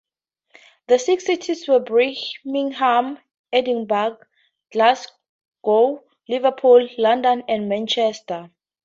The six cities were Birmingham, Edinburgh, Glasgow, Liverpool, London and Manchester.